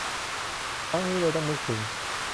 ครั้งนี้เลยต้องนึกถึง